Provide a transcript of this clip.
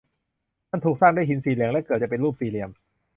มันถูกสร้างด้วยหินสีเหลือง และเกือบจะเป็นรูปสี่เหลี่ยม